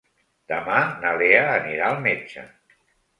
Demà na Lea anirà al metge.